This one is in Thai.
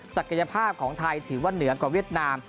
ศักยภาพของไทยถือว่าเหนือกว่าเวียดนาม